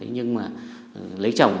nhưng mà lấy chồng